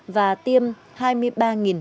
và tiêm hai mươi bệnh nhân